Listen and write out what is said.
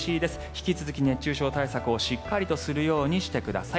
引き続き熱中症対策しっかりとするようにしてください。